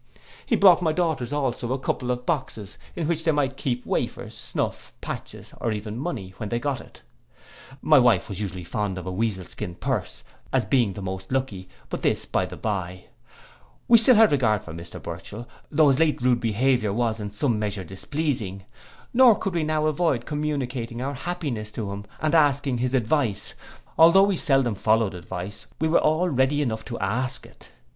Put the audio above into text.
He brought my daughters also a couple of boxes, in which they might keep wafers, snuff, patches, or even money, when they got it. My wife was usually fond of a weasel skin purse, as being the most lucky; but this by the bye. We had still a regard for Mr Burchell, though his late rude behaviour was in some measure displeasing; nor could we now avoid communicating our happiness to him, and asking his advice: although we seldom followed advice, we were all ready enough to ask it.